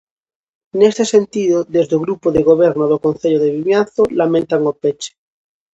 Neste sentido, desde o grupo de goberno do Concello de Vimianzo, lamentan o peche.